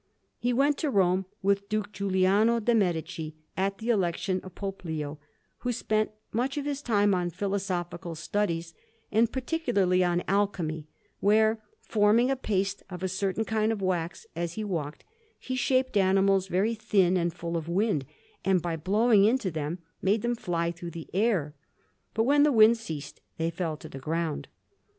He went to Rome with Duke Giuliano de' Medici, at the election of Pope Leo, who spent much of his time on philosophical studies, and particularly on alchemy; where, forming a paste of a certain kind of wax, as he walked he shaped animals very thin and full of wind, and, by blowing into them, made them fly through the air, but when the wind ceased they fell to the ground.